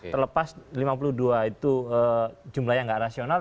terlepas lima puluh dua itu jumlah yang nggak rasional